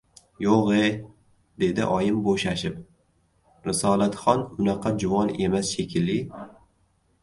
— Yo‘g‘-e, — dedi oyim bo‘shashib. — Risolatxon unaqa juvon emas shekilli.